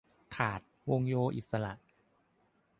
ขาด วงโยอิสระ